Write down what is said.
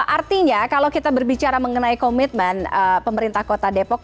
artinya kalau kita berbicara mengenai komitmen pemerintah kota depok